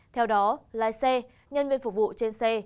theo đó lái xe nhân viên phục vụ trên xe